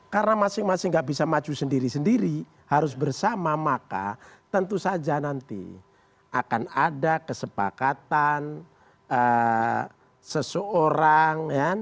karena masing masing gak bisa maju sendiri sendiri harus bersama maka tentu saja nanti akan ada kesepakatan seseorang